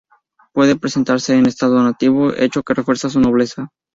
Puede presentarse en estado nativo, hecho que refuerza su nobleza.